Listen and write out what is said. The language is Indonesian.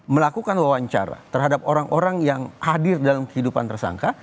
melakukan wawancara terhadap orang orang yang hadir dalam kehidupan tersangka